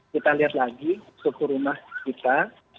kita lihat lagi suhu rumah kita